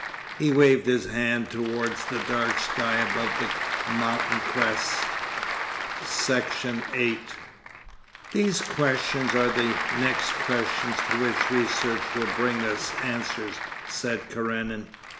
...' He waved his hand towards the dark sky above the mountain crests. Section 8 'These questions are the next questions to which research will bring us answers,' said Karenin.